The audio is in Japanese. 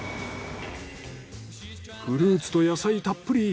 フルーツと野菜たっぷり。